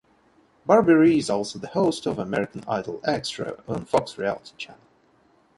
Barberie is also the host of "American Idol Extra" on Fox Reality Channel.